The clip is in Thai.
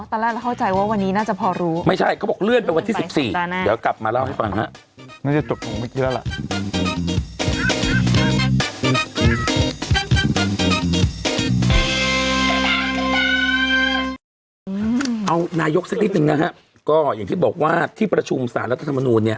ตอนแรกเราเข้าใจว่าวันนี้น่าจะพอรู้